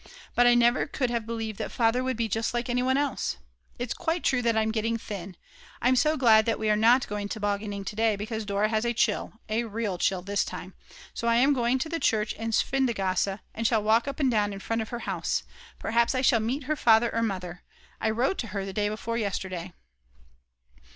But I never could have believed that Father would be just like anyone else. It's quite true that I'm getting thin. I'm so glad that we are not going tobogganing to day because Dora has a chill, a real chill this time. So I am going to the church in Schwindgasse and shall walk up and down in front of her house; perhaps I shall meet her father or her mother. I wrote to her the day before yesterday.